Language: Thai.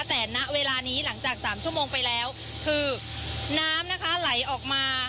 แต่ณเวลานี้หลังจากสามชั่วโมงไปแล้วคือน้ำนะคะไหลออกมา